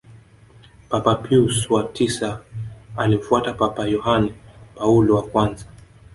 papa pius wa tisa alimfuata Papa yohane paulo wa kwanza